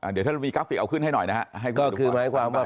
เดี๋ยวถ้ามีกราฟิกเอาขึ้นให้หน่อยนะให้ก็คือหมายความว่า